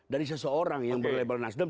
dari seseorang yang berlabel nasdem